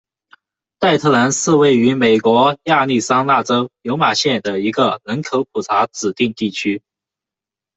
代特兰是位于美国亚利桑那州尤马县的一个人口普查指定地区。